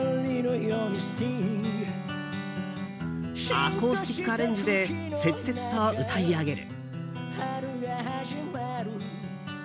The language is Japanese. アコースティックアレンジで切々と歌い上げる。